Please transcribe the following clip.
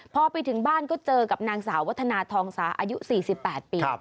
พอไปถึงบ้านก็เจอกับนางสาววัฒนาทองสาอายุ๔๘ปี